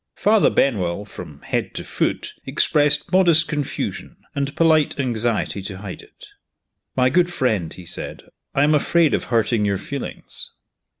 Father Benwell, from head to foot, expressed modest confusion, and polite anxiety to hide it. "My good friend," he said, "I am afraid of hurting your feelings."